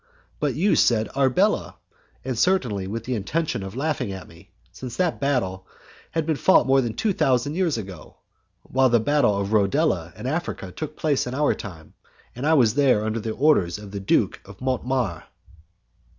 But you said Arbela, and certainly with the intention of laughing at me, since that battle has been fought more than two thousand years ago, while the battle of Rodela in Africa took place in our time, and I was there under the orders of the Duke de Mortemar."